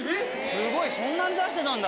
すごいそんなに出してたんだ。